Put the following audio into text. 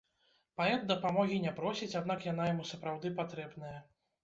Паэт дапамогі не просіць, аднак яна яму сапраўды патрэбная.